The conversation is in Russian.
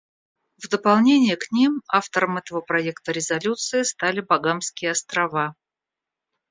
В дополнение к ним автором этого проекта резолюции стали Багамские Острова.